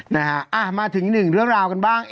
นะฮะมาถึงหนึ่งเรื่องราวกันบ้าง